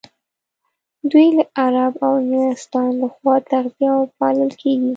دوی له غرب او انګلستان لخوا تغذيه او پالل کېږي.